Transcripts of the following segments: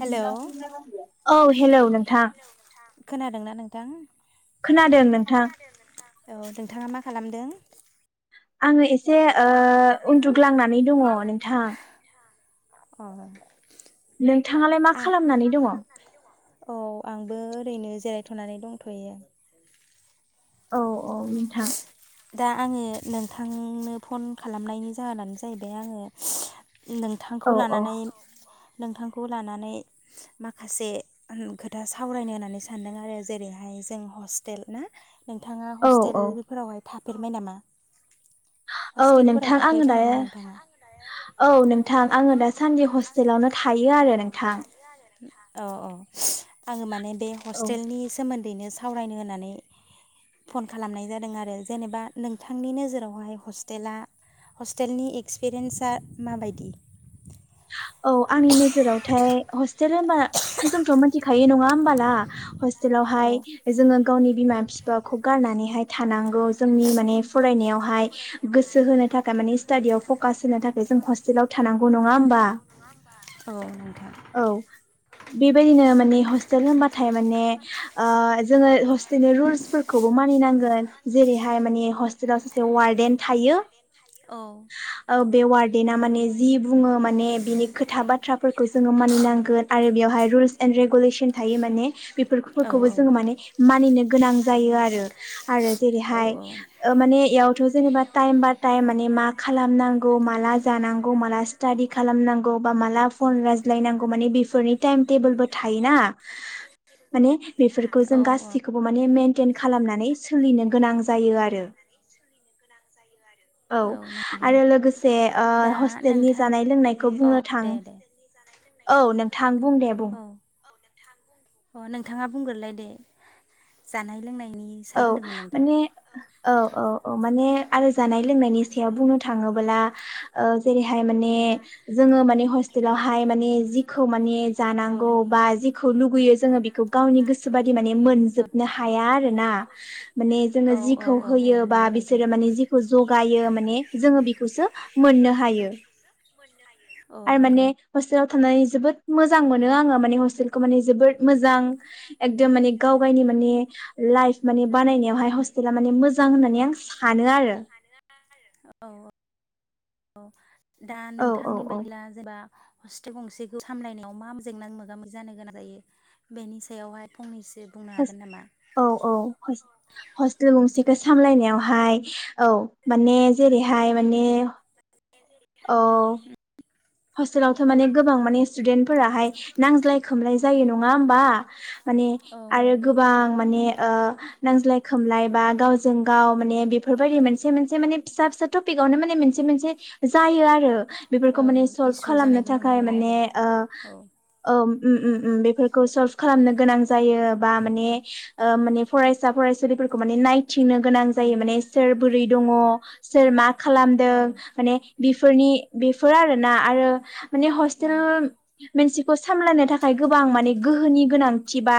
Hello [inaudible] औ hello नोंथां खोनादोंना नोंथां खोनादों नोंथां औ नोंथांङा मा खालामदों आंङो एसे ओ उन्दुग्लांनानै दंङ नोंथां अ नोंथाङालाय मा खालामनानै दङ'? अ आंबो ओरैनो जिरायथ'नानै दंथ'यो। औ औ नोंथां। दा आङो नोंथांनो फन खालामनायनि जाहोनानो जाहैबाय आङो नोंथांखौ औ औ लानानै नोंथांखौ लानानै माखासे खोथा सावरायनो होननानै सानदों आरो जेरैहाय जों हस्टेल ना नोंथाङा औ औ हस्टेलफोरावहाय थाफेरबाय नामा? औ हस्टेलफोराव नोंथां आङो थाफेरबाय दा नामा नोंथाङा औ नोंथां आङो दासान्दि हस्टेलावनो थायो आरो नोंथां। अ अ आङो माने बे औ हस्टेलनि सोमोन ओरैनो सावरायनो होननानै फन खालामनाय जादों आरो जेनेबा नोंथांनि नोजोरावहाय हस्टेला हस्टेलनि एक्सपिरियेन्सा माबायदि? औ आंनि नोजोरावथाय हस्टेल होमबा जोंथ' मिथिखायो नङा होमबाला औ हस्टेलावहाय जोङो गावनि बिमा फिफाखौ गारनानैहाय थानांगौ। जोंनि माने फरायनायावहाय गोसो होनो थाखाय माने स्टाडियाव फकास होनो थाखाय जों हस्टेलाव थानां नङा बा औ नोंथां। बेबायदिनो माने हस्टेल होनबाथाय माने आ जोङो हस बिनि रुल्सफोरखौबो मानिनांगोन। जेरैहाय माने हस्टेलाव सासे वारडेन थायो। औ ओ बे वार्द बेना माने जि बुङो मा ने बिनि खोथा बाथ्राफोरखौ जोङो मानिनांगोन आरो बेवहाय रुल्स एन्ड रेगुलेसन थायो माने। औ बेफोरखौबो जोङो माने मानिनो गोनां जायो आरो आरो जेरैहाय औ ओ माने इयावथ' जेनेबा टाइम बाय टाइम माने मा खालामनांगौ माला जानांगौ माला स्टाडि खालामनांगौ बा माला फन राय ज्लायनांगौ माने बेफोरनि टाइम टेबोलफोर थायोना माने बेफोरखौ औ जों गासिबो माने मेन मेनथेन खालामनानै सोलिनो गोनां जायो आरो। औ आरो लोगोसे ओ दा हसटेलनि नोंथां जानाय होननायखौ औ बुंनो थां दे दे औ नोंथां। बुं दे बुं। औ अ नोंथाङा बुंग्रोनलाय दे जानाय लोंनाय औ माने औ औ औ माने आरो जानाय लोंनायनि सायाव बुंनो थाङोबोला ओ जेरैहाय माने जोङो माने हस्टेलावहाय माने जिखौ माने औ जानांगौ बा जिखौ लु गुयो जो बेखौ गावनि गोसो बादि माने मोनजोबनो हाया आरो ना माने जोङो औ औ जिखौ औ औ होयो बा नंगौ नोंथां बिसोरो माने जिखौ जगायो माने जोङो बेखौसो मोननो हायो औ आरो नंगौ माने हस हस्टेल आव थानानै जोबोद मोजां मोनो आङो माने हस्टेलखौ माने जोबोद मोजां एकदम माने गाव गावनि माने लाइफ माने बानायनायावहाय हस्टेल माने मोजां होननानै आं सानो आरो औ औ दा औ औ नोंथांनि औ बायदिब्ला जेनबा हस्टेल गंसेखौ सामलायनायाव मा जेंना मोगा मोगि जानो गोनां जायो बेनि सायावहाय फंनैसो सो बुंनो हागोन नामा? हस-हस्टेल गंसेखौ सामलायनायाव हय औ माने जेरैहाय माने औ हस्टेलावथ' माने गोबां माने स्टुदेन्ट फोराहाय नांज्लाय खमलाय जायो नङा होमबा? माने औ आरो ओं गोबां माने ओ नांज्लाय खोमलाय बा गावजों गाव माने बेफोरबायदि मोनसे मोनसे माने फिसा फिसा टपिकावनो माने मोनसे मोनसे जायो आरो बेफोरखौ माने ओं सल्भ इसु खालामनो जानायखौ नुनो थाखाय मोनो माने आरो ओ औ औ उम उम उम उम उम बेफोरखो सल्भ खालामनो गोनां जायो बा माने ओ माने फरायसा फरायसुलिफोरखौ माने नाय थिंनो गोनां उम जायो माने सोर बोरै दङ। सोर मा खालामदों औ माने बेफोरनि बेफोर आरो ना आरो माने औ हस्टेल मोनसिखौ सामलायनो थाखाय गोबां माने गोहोनि गोनांथि बा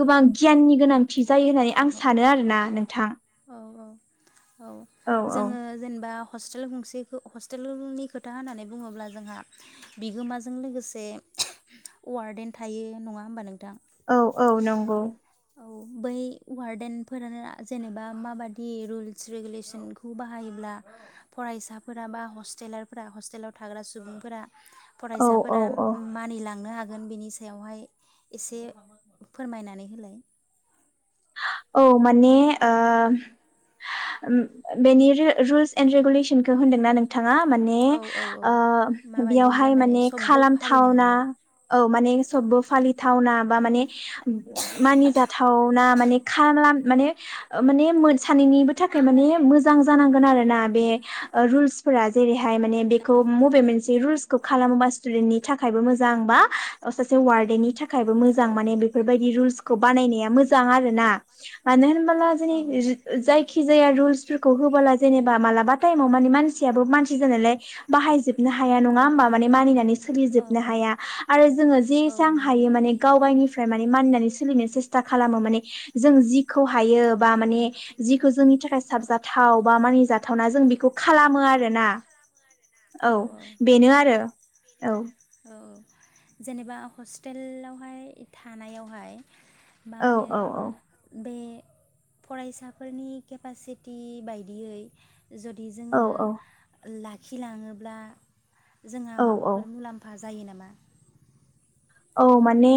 गोबां गियाननि गोनां थि जायो होननानै आं अह सानो आरोना नोंथां। औ औ औ औ औ जोङो जेनेबा हस्टेल गंसेखो हस्टेलनि खोथा होननानै बुङोब्ला जोंहा बिगोमाजों लोगोसे वार्डेन थायो नङा होमबा नों औ औ नंगौ औ बै वार्डेनफोरानो जेनेबा माबादि रुल्स रेगुलेसनखौ बाहायोब्ला फरायसाफोरा बा हस्टेलारफोरा हस्टेलाव थाग्रा सुबुंफोरा औ औ फरायसाफोरा औ मानिलांनो हागो गोन बिनि सायावहाय एसे फोरमायनानै होलाय। औ माने ओ बेनि रुल्स एन्ड रेगुलेसनखौ होनदोंना नोंथां थाङा माने औ औ औ माबायदिब्ला बेयावहाय माने सबबो फालिनो खालामथावना हायो औ माने सबबो फालिथावना बा माने मानिजाथाव माने माने सानैनिबो थाखाय मोजां जानांगोन आरो ना बे रुलसफोरा थाय माने बेखौ बबे मोनसे रुलसखौ खालामोबा स्टुडेननि थाखायबो मोजां बा सासे वार्डेननि थाखाय थाखायबो औ मोजां माने बेफोरबायदि रुल्स खौ बानायनाया मोजां मोजां आरो ना मानो होनबा [inaudible] औ जायखि जाखि जाया रुल्सफोरखौ होबोला जेनेबा मालाबा टाइमाव माने मानसियाबो मानसि जानायलाय बाहायजोब हाया नङा औ होमबा माने मानिनानै औ सोलिजोबनो हाया आरो जोङो औ जेसां नंगौ हायो नोंथां गावगावनिफ्राय माने मानिनानै सोलिनो सेसता खालामो माने जों जि खौ औ हायो बा माने जि बे जोंनि थाखाय साबजाथाव बा मानि जाथावना जों बेखौ खालामो आरोना औ बेनो आरो औ औ जेनेबा हस्टेलावहाय थानायावहाय मा औ होनो औ औ बे फरायसाफोरनि केपासिटि बायदियै जुदि औ जोङो ला खि लाङोब्ला जोंहा औ औ माबाफोर मुलाम्फा जायो नामा औ माने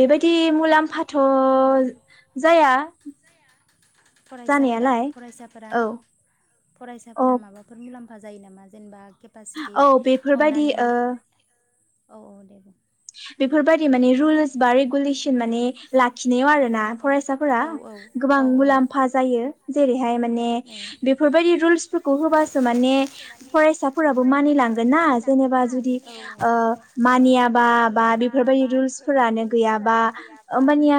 बेबायदि मुलाम्फाथ' जाया फरायसाफोरा जानायालाय औ औ फरायसाफोरा माबाफोर मुलाम्फा जायो नामा जेनेबा केपासिटि औ बेफोरबायदि हमनानै ओ औ औ दे बुं बेफोरबायदि माने रुल्स बा रेगुलेसन लाखिनायाव आरोना फरायसाफोरा औ औ गोबां औ औ मुलामफा जायो जेरैहाय माने औ बेफोरबायदि रुल्सफोरखौ होबासो माने फसाफोराबो मानि लांगोन जेनेबा जुदि बा बा बेफोरबायदि रुलस फोरानो गैयाबा ओमबानिया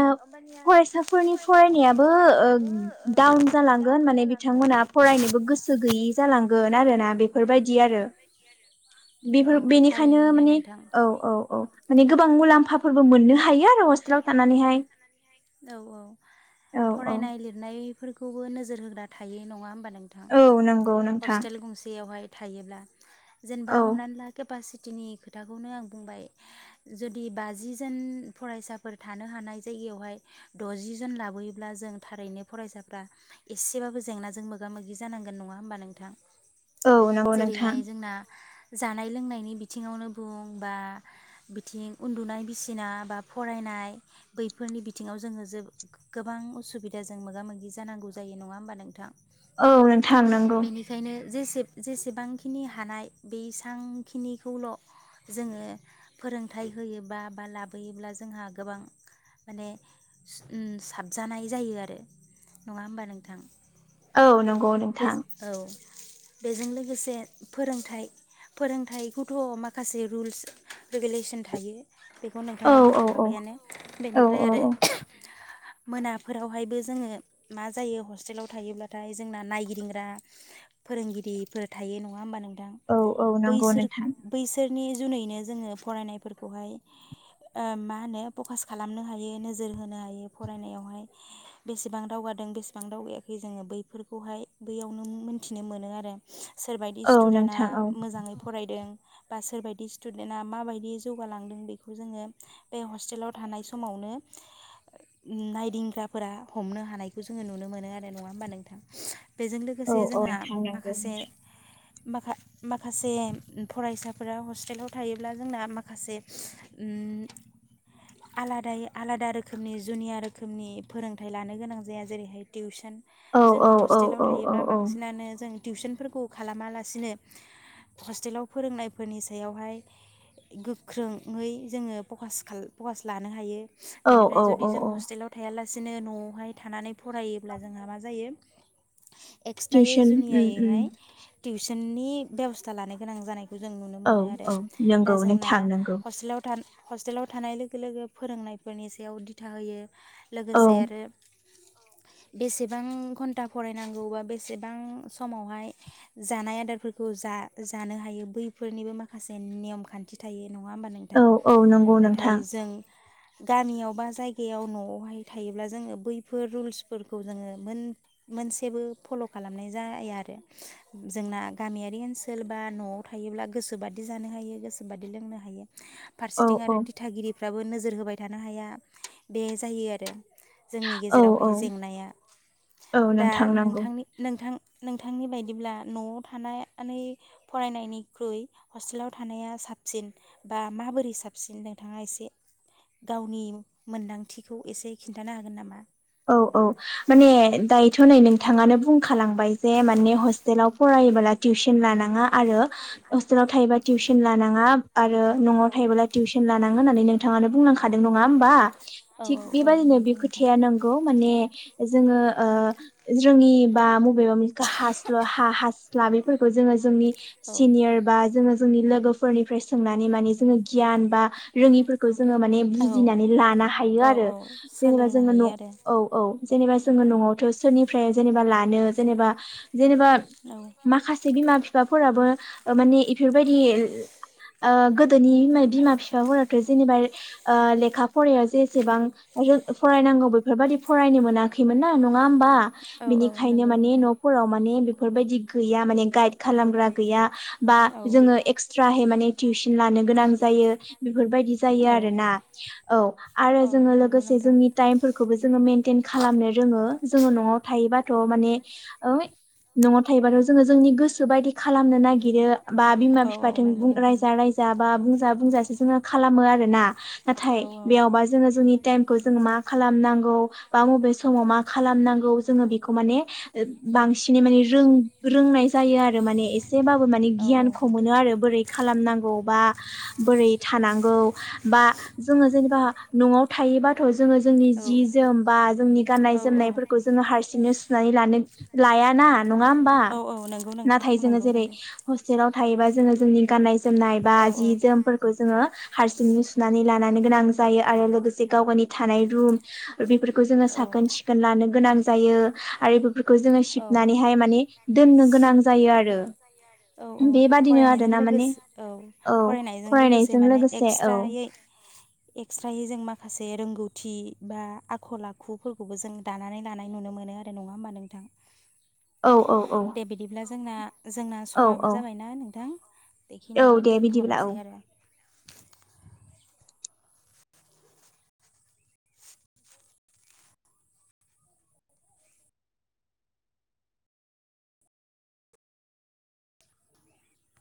फरायसाफोरनि फरायनायाबो डाउन ओ जालांगोन माने बिथांमोना फरायनोबो गोसो गैयि जालांगोन आरोना। बेफोरबायदि आरो औ बेफोर बेनिखायनो थारैनो माने नोंथां औ औ। माने गोबां मुलाम्फाफोरबो मोननो हायो आरो हस्टेलाव थानानैहाय। औ औ औ औ फरायनाय लिरनाय फोरखौबो नोजोर होग्रा थायो नङा होमबा नों नोंथां औ नंगौ नोंथां हस्टेल गंसेयावहाय थायोब्ला जेनेबा औ हमनानै ला केपासिटिनि खोथाखौनो आं बुंबाय जुदि बाजिजोन फरायसाफोर थानो हानाय जायगायावहाय द'जि जन लाबोयोब्ला जों थारैनो फरायसाफ्रा एसेबाबो जेंनाजों मोगा मोगि जानांगोन नङा होमबा नोंथां? औ नंगौ नोंथां जेरैहाय जोंना जानाय लोंनायनि बिथिङावनो बुं बा बिथिं उन्दुनाय बिसिना बा फरायनाय बैफोरनि बि बिथिङाव जोङो जे गोबां असुबिदाजों मोगा मोगि जानांगौ जायो नङा होमबा नोंथां? औ नोंथां नंगौ। बेनिखायनो जेसे जेसेबांखिनि हानाय बेसांखिनिखौल' जोङो फोरोंथाइ होयोबा बा लाबोयोब्ला जोंहा गोबां माने उम साबजानाय जायो आरो नङा होमबा नोंथां? औ नंगौ बे नोंथां। औ बेजों लोगोसे फोरोंथाइ फोरोंथाइखौथ' माखासे रुल्स रेगुलेसन थायो बेखौ औ नोंथाङा औ बुंलां औ थाबायानो औ बेनिफ्राय औ आरो मोनाफोरावहायबो जोङो मा जायो हस्टेलाव थायोब्लाथाय जोंना नायगिदिंग्रा फोरोंगिरिफोर थायो नङा होमबा नों औ औ नंगौ नोंथां। बैसोरनि जुनैनो जोङो फरायनायफोरखौहाय मा होनो फकास खालामनो हायो नो नोजोर होनो हायो फरायनायावहाय बेसेबां दावगादों बेसेबां दावगायाखै जोङो बैफोरखौहाय बैयावनो मोनथिनो मोनो आरो। सोरबायदि औ स्टुदेन्टआ नोंथां औ मोजाङै फरायदों बा सोरबदि स्टुदेन्टआ माबायदि जौगालांदों बेखौ जोङो बे हस्टेलाव थानाय समावनो नायदिंग्राफोरा हमनो हानायखौ जोङो नुनो मोनो आरो नङा होमबा नोंथां? बेजों औ लोगोसे औ जोंहा नोंथां नंगौ माखासे नोंथां माखा माखासे फरायसाफोरा हस्टेलाव थायोब्ला जोंना माखासे उम आलादा आलादा रोखोमनि जुनिया रोखोमनि फोरोंथाइ लानो गोनां जाया जेरैहाय टिउसन औ औ जोङो औ हस्टेलाव औ औ थायोब्ला बांसिनानो जों टिउसनफोरखौ खालामा लासिनो हस्टेलाव फोरोंनायफोरनि सायावहाय गोख्रोङै जोङो फक-फकास लानो हायो। बेनिफ्राय औ जुदि औ जों औ हस्टेलाव थायाला बिसनो न'आवहाय थानानै फरायोब्ला जोंहा मा जायो। एक्सट्रायै टिउसन उम उम जुनियायैहाय टिउसननि बेब'स्था लानो गोनां जानाय खौ जों नुनो औ मोनो आरो औ दा नंगौ जोंना नोंथां नंगौ हस्टेलाव था हस्टेलाव थानाय लोगो लोगो फोरोंनाय फोरनि सायाव दिथा होयो औ लोगोसे आरो बेसेबां घन्टा फरायनांगौ बा बेसेबां समावहाय जानाय आदारफोरखौ जानो हायो बैफोरनिबो माखासे नेयम खान्थि थायो। नङा होमबा नोंथां औ औ नंगौ नाथाय नोंथां जों गामियाव बा जायगायाव न'आवहाय थायोब्ला जोङो बैफोर रुल्सफोरखौ जोङो मोन मोनसेबो फल' खालामनाय जाया आरो जोंना गामियारि ओनसोल बा न'आव थायोब्ला गोसोबादि जानो हायो गोसोबादि लोंनो हायो। औ फारसेथिं आरो औ दिथागिरिफ्राबो नोजो रहोबाय थानो हाया बे जायो आरो जोंनि औ गेजेरावहाय औ जेंनाया औ दा नोंथां नंगौ नोंथांनि नोंथां नोंथांनि बायदिब्ला न'आव थानानै फरायनायनिख्रुइ हस्टेलाव थानाया साबसिन बा माबोरै साबसिन नोंथाङा एसे गावनि मोन्दांथिखौ एसे खिन्थानो हागोन नामा औ औ माने दायोथ' नै नोंथाङानो बुं खालामांबाय जे माने हस्टेलाव फरायोबोला टिउसन लानाङा आरो हस्टेलाव थायोबा टिउसन लानाङा आरो न'आव औ थायोब्ला टिउसन लानां थाङो होननानै नोंथाङानो बुंनांखादों नङा होमबा औ थिग औ बेबायदिनो बे नंगौ खो नोंथां थाया नों माने जोङो ओ रोङि बा बबेबा हास हास्ला बेफोरखौ जोङो जोंनि औ सिनिर बा जोङो जोंनि लोगोफोरनिफ्राय सोंनानै माने जोङो गियान बा रोङिफोरखौ जोङो माने औ बुजिनानै लानो हायो औ आरो औ जेनेबा सोलोंनो जोङो हायो न' आरो औ औ जेनेबा जोङो औ न'आवथ' सोरनि फ्राय जेनेबा लानो जेनेबा जेनेबा माखासे बिमा बि बिफाफोराबो माने इफोरबायदि ओ गोदोनि बिमा बिफाफोराथ' जेनेबा ओ लेखा फरायायाव जेसेबां आरो फरायनांगौ बेबादि फरायनो मोनाखैमोन ना नङा होमबा औ औ बिनिखायनो नंगौ माने नोंथां न'फोराव माने बेफोरबायदि गैया माने गाइ खालामग्रा गैया बा जोङो एक्सट्रा हाय माने टिउसन लानो गोनां जायो बेफोरबायदि जायो औ आरोना औ आरो औ जोङो नंगौ लोगोसे नोंथां जोंनि टाइम फोर जोङो मेनटेन खालामनो रोङो जोङो न'आव थायोबाथ' माने न'आव थायोबाथ' जोङो जोंनि गोसो बायदि खालामनो नागिरो। बा बिमा औ बिफा औ नंगौ जों नोंथां रायजा रायजा बा बुं [unintelligible] बुंजासो जोङो खालामो आरो ना। औ नाथाय बेयावबा जोङो जोंनि टाइमखौ जों मा खालामनांगौ बा अबे समाव मा खालामनांगौ जोङो बेखौ माने बांसिन बिनि माने रों रोंनाय जायो आरो माने एसेबाबो माने औ गियानखौ मोनो आरो बोरै खालामनांगौ। बा बोरै थानांगौ बा जोङो जेनेबा न'आव थायोबाथ' जोङो। जोंनि औ जि जोम बा जोंनि औ औ गाननाय-जोमनायफोरखौ जोङो हारसिं दिनो सुनानै लानो लाया ना। नङा होमबा औ औ नंगौ नोंथां नाथाय जोङो नंगौ जेरै नंगौ हस्टेलाव हायोबा जोङो जोंनि गाननाय जोमनाय बा औ जि औ जोमफोरखौ जोङो हारसिंनो सुनानै लानानै गोनां जायो आरो लोगोसे गाव-गावनि थानाय। रुम। बेफोरखौ जोङो औ साखोन-सिखोन लानो गोनां। जायो। आरो बेफोरखौ जोङो औ सिबनानैहाय माने दोननो। गोनां जायो आरो। औ औ बेबादिनो फरायनायजों आरोना माने लोगोस औ फरायनायजों लोगोसे माने लोगोसे औ एक्सट्रायै एक्सट्रायै जों माखासे रोंगौ थि बा आखल-आखुफोरखौबो जों दानानै लानाय नुनो मोनो आरो नङा होमबा नोंथां। औ औ औ दे बिदिब्ला जोंना जोंना औ स बो औ जाबायना नों थां। औ बेखिनियावनो दे बिदिब्ला औ दोनथ'नोसै आरो।